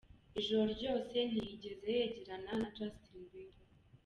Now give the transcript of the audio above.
Ijoro ryose ntiyigeze yegerana na Justin Bieber.